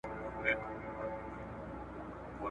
که واټني تدریس واضح وي، مفهوم غلط نه اخېستل کېږي.